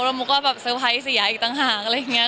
และกูก็สวายเสียอีกต่างหากแหละ